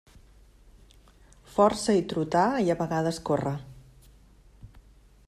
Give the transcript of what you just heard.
Força i trotar, i a vegades córrer.